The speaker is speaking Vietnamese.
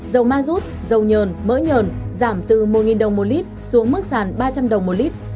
dầu ma rút dầu nhờn mỡ nhờn giảm từ một đồng một lít xuống mức sàn ba trăm linh đồng một lít